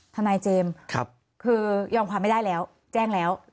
ทนายเจมส์คือยอมความไม่ได้แล้วแจ้งแล้ว